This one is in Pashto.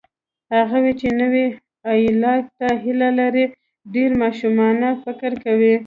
هغوی چې نوي ائتلاف ته هیله لري، ډېر ماشومانه فکر کوي.